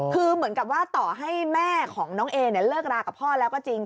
คือเหมือนกับว่าต่อให้แม่ของน้องเอเนี่ยเลิกรากับพ่อแล้วก็จริง